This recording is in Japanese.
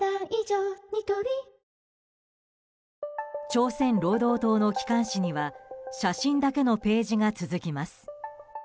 朝鮮労働党の機関紙には写真だけのページが続きます。